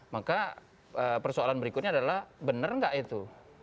maka persoalan berikutnya adalah benar nggak itu